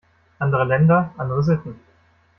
Andere Länder, andere Sitten.